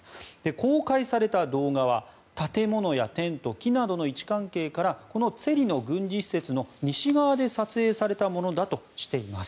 公開された動画は建物やテント、木などの位置関係からこのツェリの軍事施設の西側で撮影されたものだとしています。